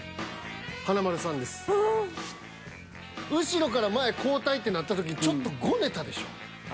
後ろから前交代ってなった時ちょっとごねたでしょ。